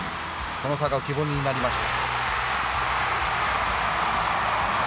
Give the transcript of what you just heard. その差が浮き彫りになりました。